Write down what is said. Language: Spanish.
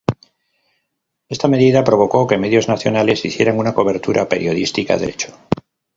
Esta medida provocó que medios nacionales hicieran una cobertura periodística del hecho.